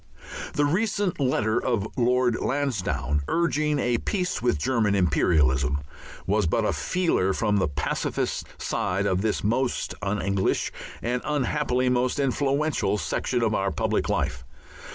The recent letter of Lord Lansdowne, urging a peace with German imperialism, was but a feeler from the pacifist side of this most un English, and unhappily most influential, section of our public life.